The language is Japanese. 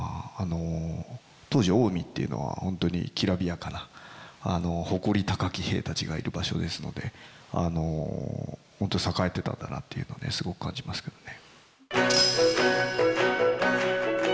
当時近江っていうのは本当にきらびやかな誇り高き兵たちがいる場所ですので本当に栄えてたんだなっていうのをねすごく感じますけどね。